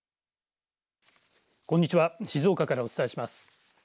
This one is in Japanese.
こんにちは静岡からお伝えします。